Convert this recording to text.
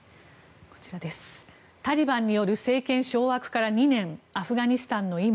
タリバンによる政権掌握から２年アフガニスタンの今。